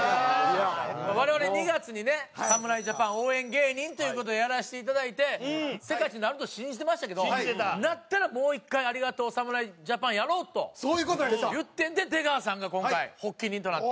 我々２月にね侍ジャパン応援芸人という事でやらせていただいて世界一になると信じてましたけどなったらもう一回「ありがとう！侍ジャパン」やろうと言ってて出川さんが今回発起人となって。